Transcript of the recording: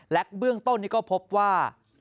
และเบื้องต้นนี้ก็พบว่า